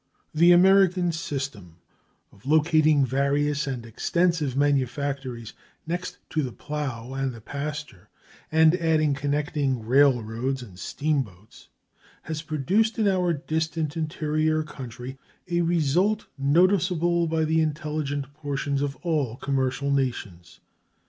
The American system of locating various and extensive manufactories next to the plow and the pasture, and adding connecting railroads and steamboats, has produced in our distant interior country a result noticeable by the intelligent portions of all commercial nations.